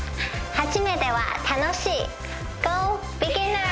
初めては楽しい。